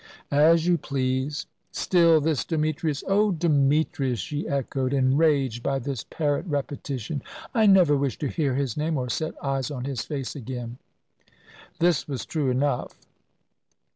"As you please. Still, this Demetrius " "Oh, Demetrius," she echoed, enraged by this parrot repetition. "I never wish to hear his name or set eyes on his face again." This was true enough.